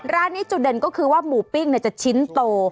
ร้านนี้จุดเด่นก็คือว่าหมูปิ้งจะชิ้นโต